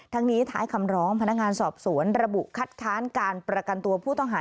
ทั้งนี้ท้ายคำร้องพนักงานสอบสวนระบุคัดค้านการประกันตัวผู้ต้องหา